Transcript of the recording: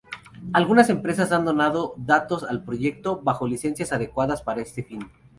Algunas empresas han donado datos al proyecto bajo licencias adecuadas para este fin.